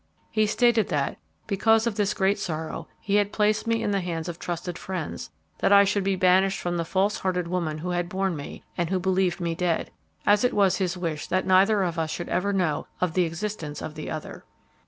He stated that, because of this great sorrow, he had placed me in the hands of trusted friends that I should be banished from the false hearted woman who had borne me and who believed me dead, as it was his wish that neither of us should ever know of the existence of the other."